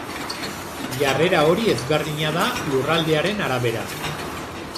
Jarrera hori ezberdina da lurraldearen arabera.